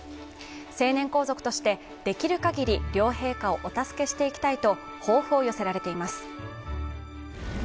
成年皇族としてできるかぎり両陛下をお助けしていきたいと抱負を寄せられています。